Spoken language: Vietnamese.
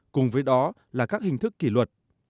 cùng với đó là các hình thức kỷ luật